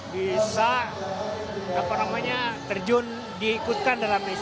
bisa terjun diikutkan dalam asian games